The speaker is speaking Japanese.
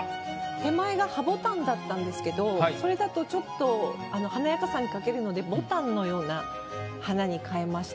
手前が葉牡丹だったんですけどそれだとちょっと華やかさに欠けるので牡丹のような花に変えました。